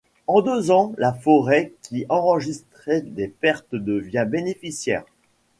En deux ans, la forêt qui enregistrait des pertes devient bénéficiaire.